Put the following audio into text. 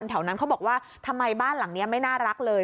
แถวนั้นเขาบอกว่าทำไมบ้านหลังนี้ไม่น่ารักเลย